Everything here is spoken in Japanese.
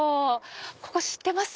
ここ知ってます？